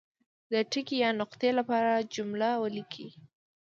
د ټکي یا نقطې لپاره جمله ولیکي.